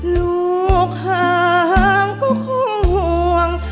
ลูกห่างก็คงห่วง